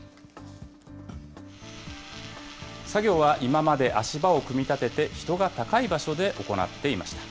作業は今まで足場を組み立てて、人が高い場所で行っていました。